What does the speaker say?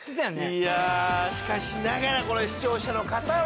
いやあしかしながらこれ視聴者の方は。